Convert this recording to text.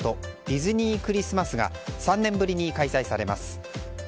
ディズニー・クリスマスが３年ぶりに開催されます。